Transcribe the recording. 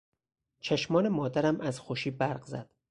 چشمان مادرم از خوشی برق زد.